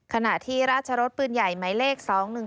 ขณะที่ราชรสปืนใหญ่ไม้เลข๒๑๘๖๖